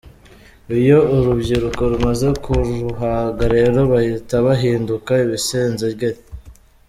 Iyo urubyiruko rumaze kuruhaga rero bahita bahinduka ibisenzegeri.